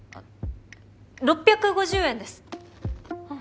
６５０円です。